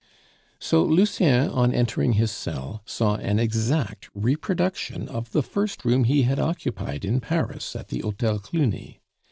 So Lucien, on entering his cell, saw an exact reproduction of the first room he had occupied in Paris at the Hotel Cluny.